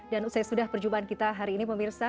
dan saya sudah perjumpaan kita hari ini pemirsa